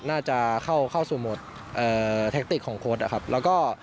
น่าจะเข้าเข้าสู่โหมดแทคติกของโค้ดอะครับแล้วก็